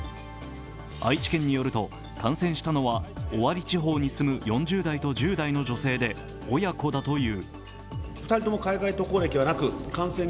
愛知県によると感染者のは尾張地方に住む４０代と１０代の女性で親子だという。